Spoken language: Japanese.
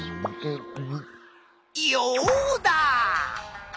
ヨウダ！